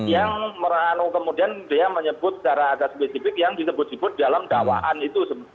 yang kemudian dia menyebut secara agak spesifik yang disebut sebut dalam dakwaan itu